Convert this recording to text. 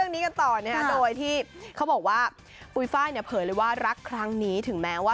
เออง้อยังไง